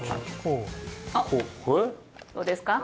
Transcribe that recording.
どうですか？